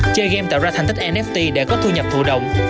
chơi game tạo ra thành tích nft để có thu nhập thụ động